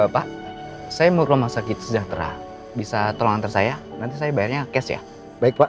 pak saya mau rumah sakit sejahtera bisa tolong antar saya nanti saya bayarnya cash ya baik pak